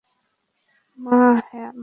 মা, -হ্যাঁ, মা?